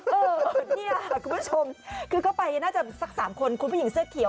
เออเนี่ยหักคุณผู้ชมคือก็ไปเนื้อระบบสักสามคนคุ้นผู้หญิงเสื้อเขียว